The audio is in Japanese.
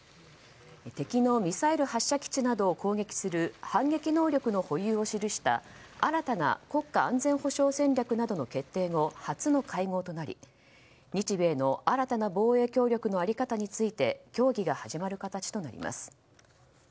敵のミサイル発射基地などを攻撃する反撃能力の保有を記した新たな国家安全保障戦略などの決定後初の会合となり日米の新たな防衛協力のあり方について協議が始まる形となります。